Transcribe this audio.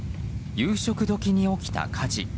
夕食時に起きた火事。